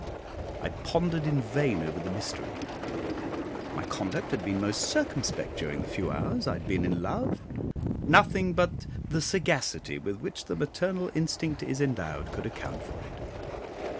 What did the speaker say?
I pondered in vain over the mystery. My conduct had been most circumspect during the few hours I had been in love; nothing but the sagacity with which the maternal instinct is endowed could account for it.